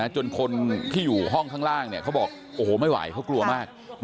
จนคนที่อยู่ห้องข้างล่างเขาบอกโอ้โหไม่ไหวเขากลัวมาก